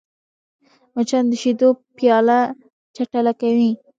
مچان د شیدو پیاله چټله کوي